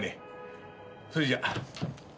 それじゃあ。